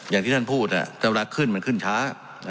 อย่างที่ท่านพูดแต่เวลาขึ้นมันขึ้นช้า